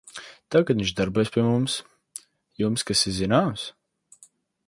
-Tagad viņš darbojas pie mums. Jums kas ir zināms?